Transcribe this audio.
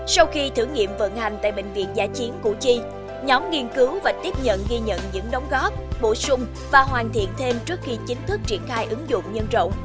sau khi thử nghiệm vận hành tại bệnh viện giả chiến củ chi nhóm nghiên cứu và tiếp nhận ghi nhận những đóng góp bổ sung và hoàn thiện thêm trước khi chính thức triển khai ứng dụng nhân rộng